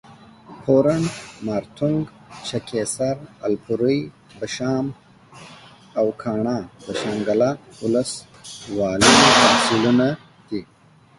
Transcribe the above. پورڼ، مارتونګ، چکېسر، الپورۍ، بشام او کاڼا د شانګله اولس والۍ تحصیلونه دي